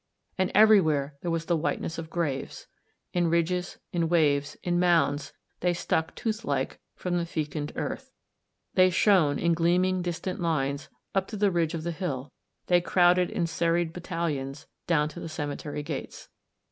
And everywhere there was the whiteness of graves. In ridges, in waves, in mounds, they stuck, tooth like, from the fecund earth. They shone, in gleaming, distant lines, up to the ridge of the hill; they crowded in serried battalions, down to the cemetery gates.